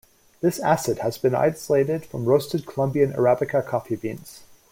This acid has been isolated from roasted Colombian arabica coffee beans.